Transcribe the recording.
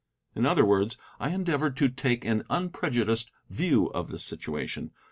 In other words, I endeavored to take an unprejudiced view of the situation.